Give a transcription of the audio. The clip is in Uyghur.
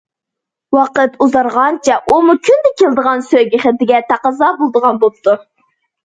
ۋاقىت ئۇزارغانچە ئۇمۇ كۈندە كېلىدىغان سۆيگۈ خېتىگە تەقەززا بولىدىغان بوپتۇ.